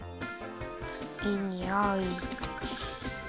いいにおい。